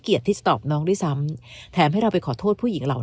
ที่จะตอบน้องด้วยซ้ำแถมให้เราไปขอโทษผู้หญิงเหล่า